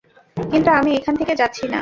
কিন্তু আমি এখান থেকে যাচ্ছিনা।